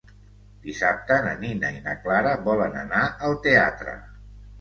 Dissabte na Nina i na Clara volen anar al teatre.